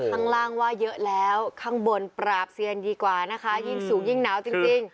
ข้างล่างว่าเยอะแล้วข้างบนปราบเซียนดีกว่านะคะยิ่งสูงยิ่งหนาวจริง